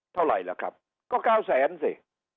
เท่าไหร่ล่ะครับก็๙แสนสิ